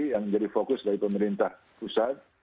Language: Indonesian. yang menjadi fokus dari pemerintah pusat